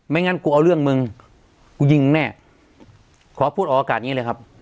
งั้นกูเอาเรื่องมึงกูยิงแน่ขอพูดออกอากาศนี้เลยครับ